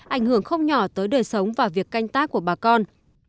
ảnh hưởng không nhỏ tới đời sống và việc canh tác của bà con